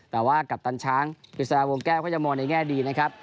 แต่ว่ากัปตันช้างกฤษฎาวงแก้วก็ยังมองในแง่ดีนะครับ